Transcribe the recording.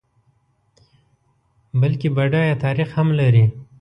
بلکه بډایه تاریخ هم لري.